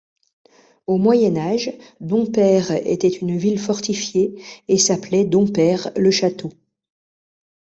Au Moyen Âge, Dompaire était une ville fortifiée et s'appelait Dompaire-le-Château.